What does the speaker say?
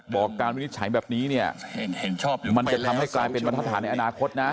การวินิจฉัยแบบนี้เนี่ยมันจะทำให้กลายเป็นบรรทฐานในอนาคตนะ